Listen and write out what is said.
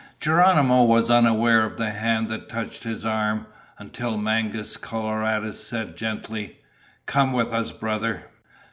Geronimo was unaware of the hand that touched his arm, until Mangus Coloradus said gently, "Come with us, brother."